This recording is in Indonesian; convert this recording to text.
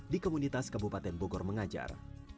di komunitas kabupaten bogor mengajar